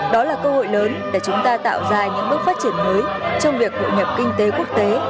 đó là cơ hội lớn để chúng ta tạo ra những bước phát triển mới trong việc hội nhập kinh tế quốc tế